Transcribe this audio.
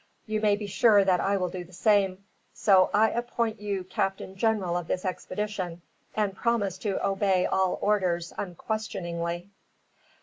You may be sure that I will do the same. So I appoint you captain general of this expedition, and promise to obey all orders, unquestioningly."